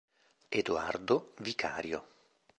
Edoardo Vicario